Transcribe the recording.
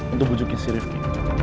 untuk bujukin si rifqi